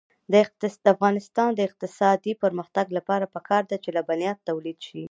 د افغانستان د اقتصادي پرمختګ لپاره پکار ده چې لبنیات تولید شي.